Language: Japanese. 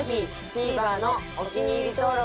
ＴＶｅｒのお気に入り登録